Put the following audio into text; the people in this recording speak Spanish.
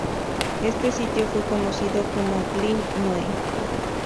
Este sitio fue conocido como Glen Noe.